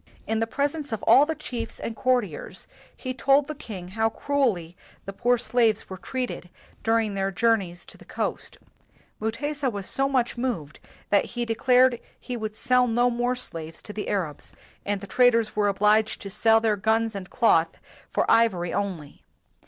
In the presence of all the chiefs and courtiers, he told the king how cruelly the poor slaves were treated during their journeys to the 101 WHITE MAN OF WORK coast. Mutesa was so much moved that he declared he would sell uo more slaves to the Arabs, and the traders were obliged to sell their guns and cloth for ivory only.